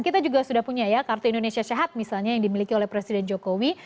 kita juga sudah punya ya kartu indonesia sehat misalnya yang dimiliki oleh presiden jokowi